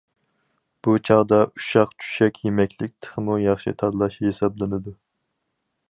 بۇ چاغدا، ئۇششاق- چۈششەك يېمەكلىك تېخىمۇ ياخشى تاللاش ھېسابلىنىدۇ.